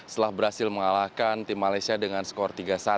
setelah berhasil mengalahkan tim malaysia dengan skor tiga satu